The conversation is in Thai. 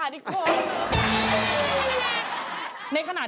กับพอรู้ดวงชะตาของเขาแล้วนะครับ